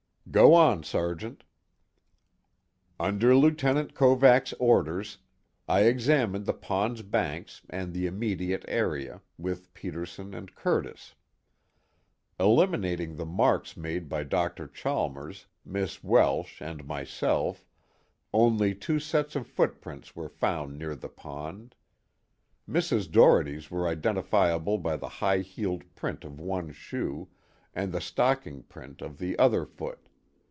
_ "Go on, Sergeant." "Under Lieutenant Kovacs' orders, I examined the pond's banks and the immediate area, with Peterson and Curtis. Eliminating the marks made by Dr. Chalmers, Miss Welsh and myself, only two sets of footprints were found near the pond. Mrs. Doherty's were identifiable by the high heeled print of one shoe, and the stocking print of the other foot.